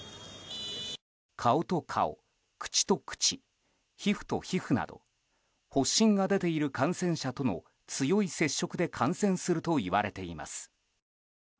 顔と顔、口と口、皮膚と皮膚など発疹が出ている感染者との強い接触で感染するといわれています。